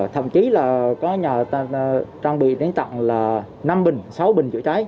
thậm chí là có nhà trang bị đến tặng là năm bình sáu bình chữa cháy